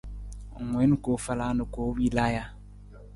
Ng wiin koofala na koowila ja?